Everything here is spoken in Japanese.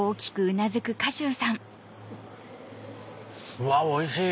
うわおいしい。